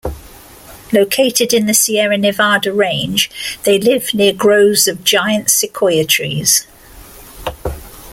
Located in the Sierra Nevada range, they lived near groves of giant sequoia trees.